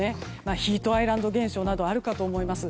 ヒートアイランド現象などあるかと思います。